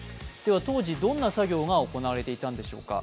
当時、どんな作業が行われていたのでしょうか。